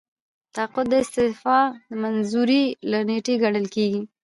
تقاعد د استعفا د منظورۍ له نیټې ګڼل کیږي.